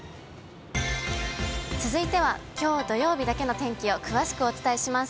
続いてはきょう土曜日だけの天気を詳しくお伝えします。